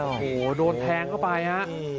โอ้โหโดนแทงเข้าไปฮะ